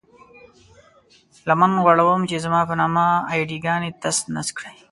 لمن غوړوم چې زما په نامه اې ډي ګانې تس نس کړئ.